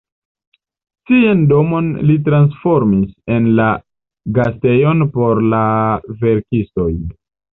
Sian domon li transformis en la gastejon por la verkistoj.